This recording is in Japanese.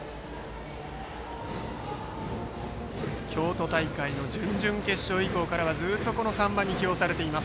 京都大会の準々決勝以降からずっと３番に起用されています。